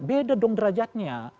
beda dong derajatnya